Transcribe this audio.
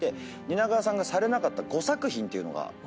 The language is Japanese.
蜷川さんがされなかった５作品っていうのがあって。